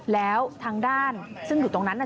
แล้วทางด้านซึ่งอยู่ตรงนั้นน่ะ